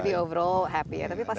jadi overall happy ya tapi pasti